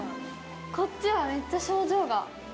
こっちはめっちゃ賞状が。